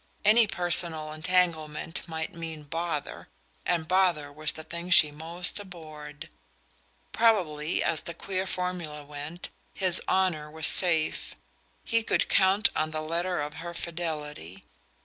Any personal entanglement might mean "bother," and bother was the thing she most abhorred. Probably, as the queer formula went, his "honour" was safe: he could count on the letter of her fidelity.